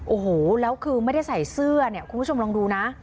โอ้โหแล้วคือไม่ได้ใส่เสื้อเนี่ยคุณผู้ชมลองดูนะ